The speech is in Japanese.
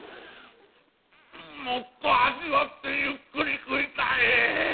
もっと味わってゆっくり食いたい。